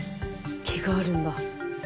毛があるんだ。